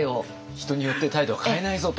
人によって態度を変えないぞと。